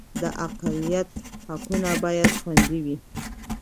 د اقلیت حقونه باید خوندي وي